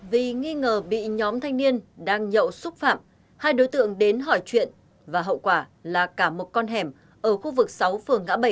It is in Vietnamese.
vì nghi ngờ bị nhóm thanh niên đang nhậu xúc phạm hai đối tượng đến hỏi chuyện và hậu quả là cả một con hẻm ở khu vực sáu phường ngã bảy